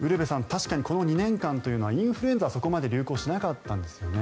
確かにこの２年間というのはインフルエンザはそこまで流行しなかったんですよね。